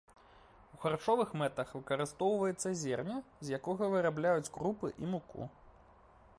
У харчовых мэтах выкарыстоўваецца зерне, з якога вырабляюць крупы і муку.